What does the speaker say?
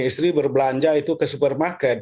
istri berbelanja itu ke supermarket